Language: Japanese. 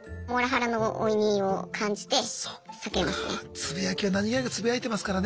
つぶやきは何気なくつぶやいてますからね